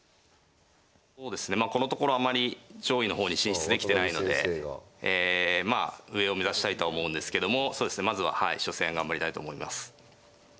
そうですねまあこのところあまり上位の方に進出できてないのでまあ上を目指したいとは思うんですけどもまずははい初戦頑張りたいと思います。